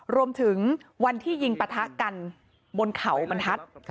รวมถึงวันที่ยิงปะทะกันบนเขาบรรทัศน์